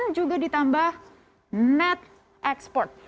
dan juga ditambah net export